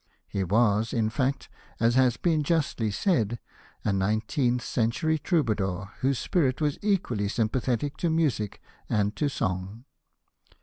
He was, in fact, as has been justly said, a nineteenth century troubadour whose spirit w'as equally sympathetic to music and to song.